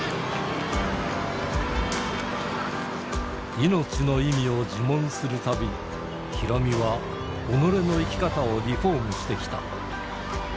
命の意味を自問するたび、ヒロミは己の生き方をリフォームしてきた。